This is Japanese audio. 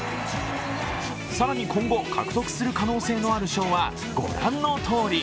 更に今後、獲得する可能性のある賞は御覧のとおり。